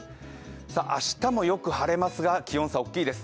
明日もよく晴れますが気温差、大きいです。